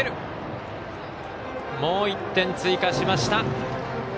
もう１点追加しました。